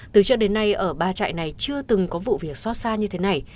từ trước đến nay ở ba trại này chưa từng có vụ việc xót xa như thế này